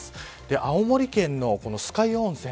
青森県の酸ケ湯温泉。